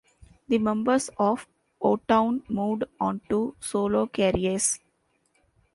The members of O-Town moved on to solo careers.